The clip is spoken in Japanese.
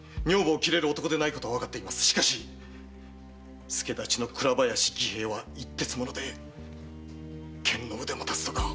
しかし助太刀の倉林儀兵衛は一徹者で剣の腕も立つとか。